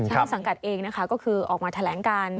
ต้นสังกัดเองนะคะก็คือออกมาแถลงการ